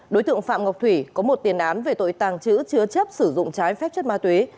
đối tượng phạm ngọc thủy có một tiền án về tội tàng trữ chứa chấp sử dụng trái phép chất ma túy